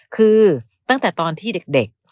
คือตั้งแต่ตอนที่เด็ก